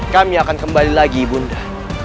kami akan kembali lagi ibu nda